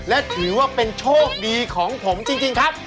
และถือว่าเป็นโชคดีของผมจริงครับ